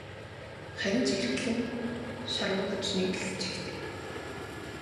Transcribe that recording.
Харин ч эрхлэн шарваганаж нэг л жигтэй.